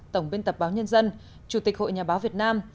tổng biên tập báo nhân dân chủ tịch hội nhà báo việt nam